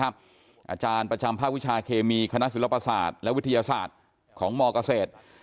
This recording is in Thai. อาจารย์ประจำภาควิชาเคมีคณะศิลปศาสตร์และวิทยาศาสตร์ของมเกษตร